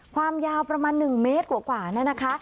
ความยาวประมาณ๑เมตรกว่านะคะ